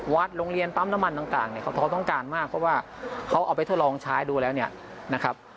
วัดโรงเรียนปั๊มมันต่างที่เขาต้องการมากเพราะว่าเขาเอาไปทดลองใช้ดูแล้วนะครับ